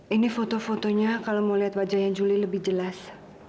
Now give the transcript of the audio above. ini foto fotonya kalau mau liat wajah yang juli lebih jelas